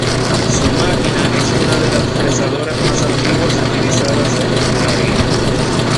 Su máquina es una de las fresadoras más antiguas utilizadas en ingeniería.